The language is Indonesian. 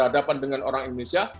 dengan orang indonesia